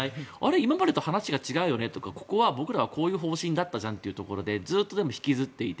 今までと話が違うよねとかここは僕らはこういう方針だったじゃんとかずっと引きずっていて。